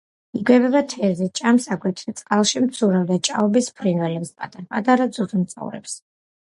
იკვებება თევზით, ჭამს აგრეთვე წყალში მცურავ და ჭაობის ფრინველებს, პატარ-პატარა ძუძუმწოვრებს.